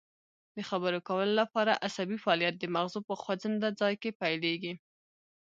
د خبرو کولو لپاره عصبي فعالیت د مغزو په خوځند ځای کې پیلیږي